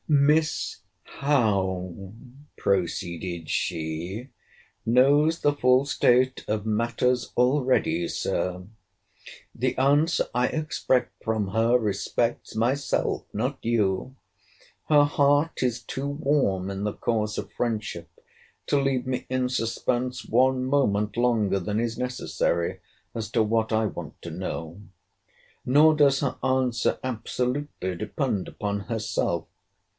Miss Howe, proceeded she, knows the full state of matters already, Sir. The answer I expect from her respects myself, not you. Her heart is too warm in the cause of friendship, to leave me in suspense one moment longer than is necessary as to what I want to know. Nor does her answer absolutely depend upon herself.